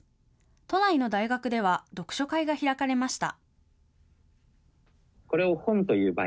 都内の大学では読書会が開かれました。